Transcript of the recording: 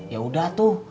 ya udah tuh